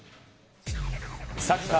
サッカー